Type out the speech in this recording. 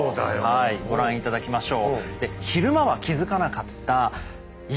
はいご覧頂きましょう。